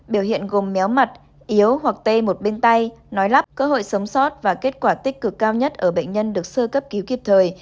biểu hiện gồm méo mặt yếu hoặc tê một bên tay nói lắp cơ hội sống sót và kết quả tích cực cao nhất ở bệnh nhân được sơ cấp cứu kịp thời